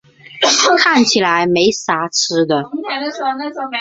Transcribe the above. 看起来没啥吃的